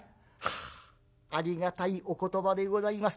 「ああありがたいお言葉でございます。